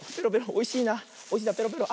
おいしいなペロペロ。